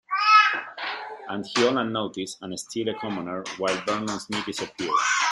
And he all unnoticed, and still a commoner, while Vernon Smith is a peer!